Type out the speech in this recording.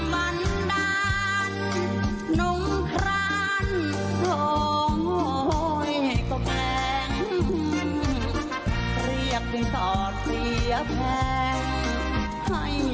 พี่เป็นคนจน